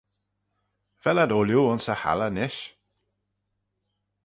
Vel ad ooilley ayns y halley nish?